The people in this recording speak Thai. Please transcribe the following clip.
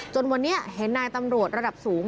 จนวันนี้เห็นนายตำรวจระดับสูง